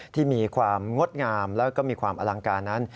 ที่มีความงดงามแล้วก็มีความอลังการนั้น